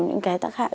những cái tác hại